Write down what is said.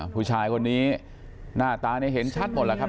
ผู้ชายคนนี้หน้าตาเห็นชัดหมดแล้วครับ